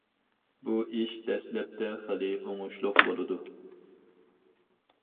بۇ ئىش دەسلەپتە خېلى ئوڭۇشلۇق بولىدۇ.